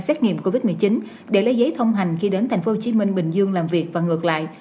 xét nghiệm covid một mươi chín để lấy giấy thông hành khi đến thành phố hồ chí minh bình dương làm việc và ngược lại